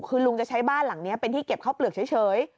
คือลุงจะใช้บ้านหลังนี้เป็นที่เก็บข้าวเปลือกเฉย